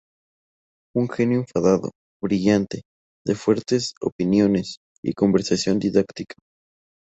Un genio enfadado, brillante, de fuertes opiniones y conversación didáctica.